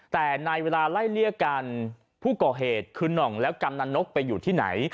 แต่ในเวลาไล่เลี่ยกันผู้ก่อเหตุคือน่องแล้วกำนันนกไปอยู่ที่ไหน